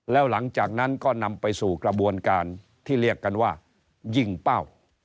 แล้วหลังจากนั้นก็นำไปสู่กระบวนการที่เรียกกันว่ายิงเป้า